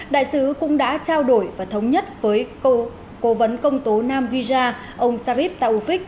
đại sứ cũng đã trao đổi và thống nhất với cố vấn công tố nam giza ông sharif taufik